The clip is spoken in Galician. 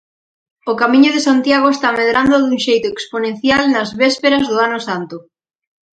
O Camiño de Santiago está medrando dun xeito exponencial nas vésperas do ano santo.